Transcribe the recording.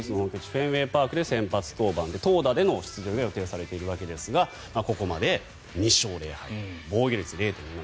フェンウェイパークで投打での出場が予定されているわけですがここまで２勝０敗防御率０．４７。